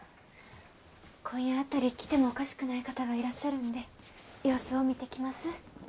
今夜あたり来てもおかしくない方がいるんで様子を見てきます